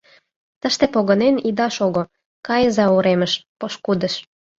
Тыште погынен ида шого, кайыза уремыш, пошкудыш.